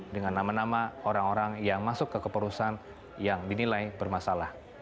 dengan nama nama orang orang yang masuk ke kepengurusan yang dinilai bermasalah